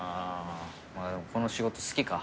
この仕事好きか？